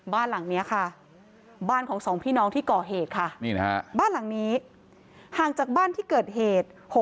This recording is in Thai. บ้านหลังนี้ค่ะบ้านของสองพี่น้องที่ก่อเหตุค่ะบ้านหลังนี้ห่างจากบ้านที่เกิดเหตุ